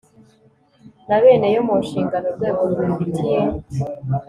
na bene yo mu nshingano urwego rubifitiye